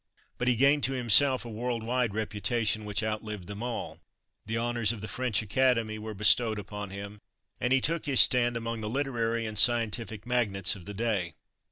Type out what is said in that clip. But he gained to himself a world wide reputation which outlived them all; the honours of the French Academy were bestowed upon him, and he took his stand among the literary and scientific magnates of the day.